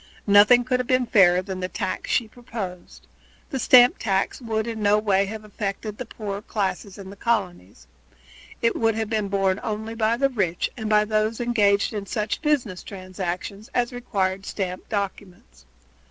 Nothing could have been fairer than the tax that she proposed. The stamp tax would in no way have affected the poorer classes in the colonies. It would have been borne only by the rich and by those engaged in such business transactions as required stamped documents.